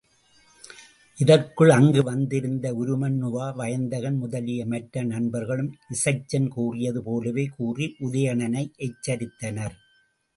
இதற்குள் அங்கு வந்திருந்த உருமண்ணுவா, வயந்தகன் முதலிய மற்ற நண்பர்களும் இசைச்சன் கூறியது போலவே கூறி உதயணனை எச்சரித்தனர்.